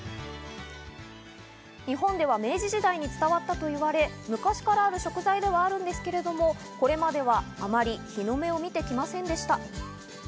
日本では明治時代に伝わったといわれ、昔からある食材ではあるんですけれども、これまでは、あまり日の目を見てきませんでした。